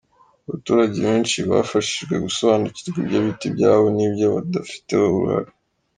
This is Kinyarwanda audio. Abaturage benshi bafashijwe gusobanukirwa ibyo bita ibyabo n’ibyo badafiteho uruhare.